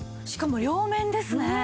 しかも両面ですね。